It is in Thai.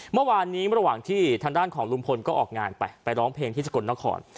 เมื่อวานนี้ระหว่างที่ทางด้านของลุงพลก็ออกงานไปไปร้องเพลงที่สกลนคร